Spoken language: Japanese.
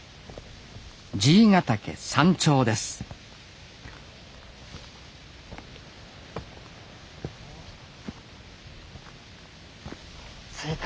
爺ヶ岳山頂です着いた。